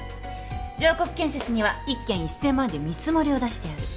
常國建設には１軒１，０００万で見積もりを出してある。